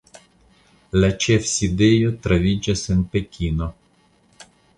La ĉefsidejo troviĝas en Pekino.